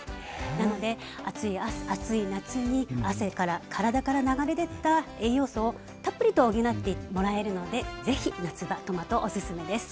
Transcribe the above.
なので暑い夏に汗から体から流れ出た栄養素をたっぷりと補ってもらえるので是非夏場トマトおすすめです。